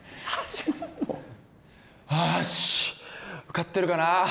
受かってるかな？